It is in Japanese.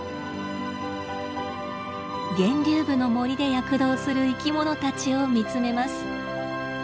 源流部の森で躍動する生きものたちを見つめます。